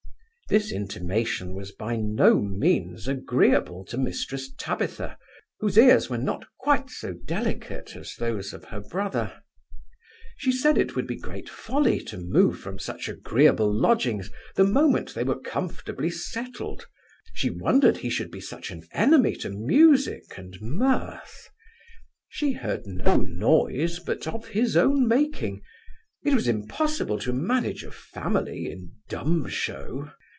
This intimation was by no means agreeable to Mrs Tabitha, whose ears were not quite so delicate as those of her brother She said it would be great folly to move from such agreeable lodgings, the moment they were comfortably settled. She wondered he should be such an enemy to music and mirth. She heard no noise but of his own making: it was impossible to manage a family in dumb shew.